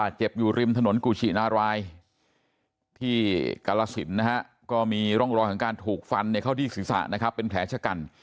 มีร่องรอยการถูกฟันในเข้าที่ศึกษานะครับเป็นแผลชกัลมีจักรยารยนต์ของนายบุญชมเนี่ยล้มคลั่มอยู่ด้วยนะครับ